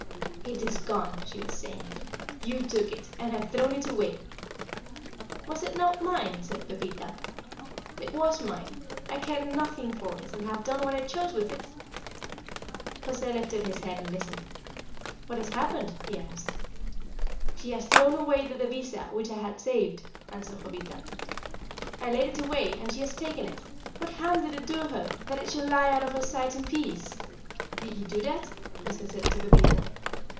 "It is gone," she was saying. "You took it, and have thrown it away." "Was it not mine?" said Pepita. "It was mine. I cared nothing for it, and have done what I chose with it." José lifted his head and listened. "What has happened?" he asked. "She has thrown away the devisa, which I had saved," answered Jovita. "I laid it away, and she has taken it. What harm did it do her that it should lie out of her sight in peace?" "Did you do that?" José said to Pepita.